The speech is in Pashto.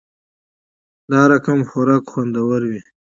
دا رقمخوراک خوندور وی